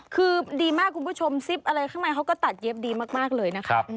คือดีมากคุณผู้ชมซิปอะไรข้างในเขาก็ตัดเย็บดีมากเลยนะคะ